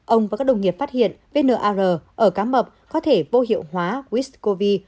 ông và các đồng nghiệp phát hiện vnr ở cá mập có thể vô hiệu hóa with covid